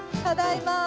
ただいま。